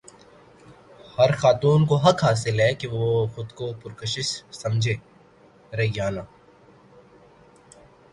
ہر خاتون کو حق حاصل ہے کہ وہ خود کو پرکشش سمجھے ریانا